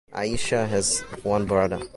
Aisha has one brother.